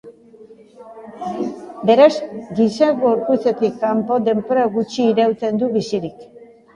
Beraz, giza gorputzetik kanpo denbora gutxi irauten du bizirik.